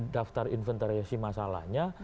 daftar inventarisasi masalahnya